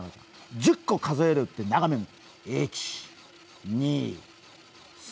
１０個数える、長めに。